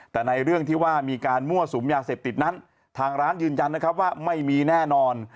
แต่ในเรื่องที่ว่ามีการมั่วสุมยาเสพติดนั้นทางร้านยืนยันนะครับว่าไม่มีแน่นอน